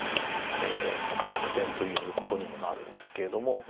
何か逆転ということにもなるんですけれども。